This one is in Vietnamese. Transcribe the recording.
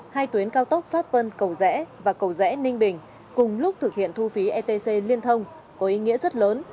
hai tuyến cao tốc pháp vân cầu rẽ và cầu rẽ ninh bình cùng lúc thực hiện thu phí etc liên thông có ý nghĩa rất lớn